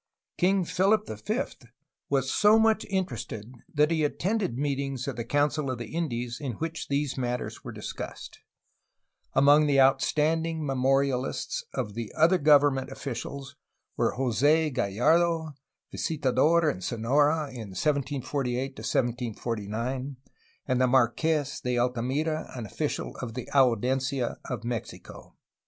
King Philip V was so much interested that he attended meetings of the Council of the Indies in which these matters were discussed. Among the outstanding memorialists of the other government officials were Jose Gallardo, visitador in Sonora in 1748 1749, and the Marques de Altamira, an official of the Audiencia of Mexico.